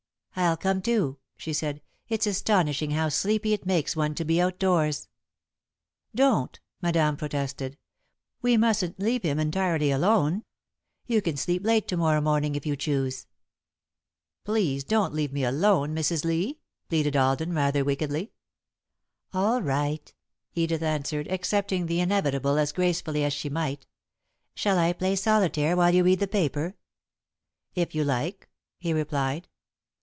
"I'll come, too," she said. "It's astonishing how sleepy it makes one to be outdoors." "Don't," Madame protested. "We mustn't leave him entirely alone. You can sleep late to morrow morning if you choose." "Please don't leave me alone, Mrs. Lee," pleaded Alden, rather wickedly. "All right," Edith answered, accepting the inevitable as gracefully as she might. "Shall I play solitaire while you read the paper?" "If you like," he replied.